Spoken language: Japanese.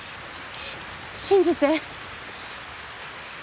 信じて。